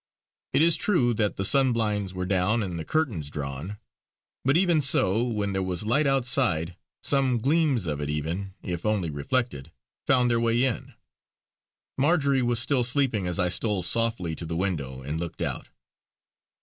It is true that the sunblinds were down and the curtains drawn; but even so, when there was light outside some gleams of it even, if only reflected, found their way in. Marjory was still sleeping as I stole softly to the window and looked out.